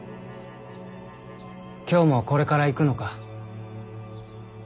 今日もこれから行くのか。